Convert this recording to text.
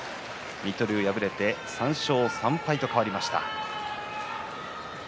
水戸龍は敗れて３勝３敗となりました。